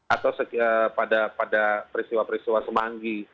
atau pada peristiwa peristiwa semanggi